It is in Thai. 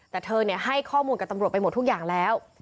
แต่เธอให้ข้อมูลกับตำรวจไปหมดทุกอย่างแล้ว